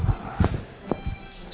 enggak enggak enggak